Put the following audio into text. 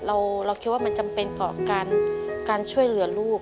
เราคิดว่ามันจำเป็นต่อการช่วยเหลือลูก